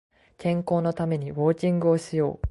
健康のためにウォーキングをしよう